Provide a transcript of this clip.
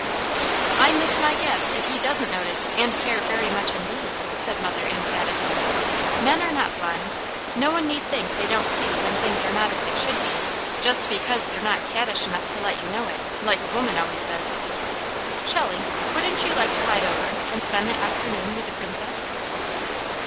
"I miss my guess if he doesn't notice and care very much indeed," said mother emphatically. "Men are not blind. No one need think they don't see when things are not as they should be, just because they're not cattish enough to let you know it, like a woman always does. Shelley, wouldn't you like to ride over and spend the afternoon with the Princess?"